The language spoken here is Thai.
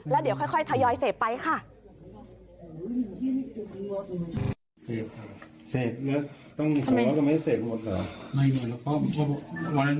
แล้วเดี๋ยวค่อยทยอยเสพไปค่ะ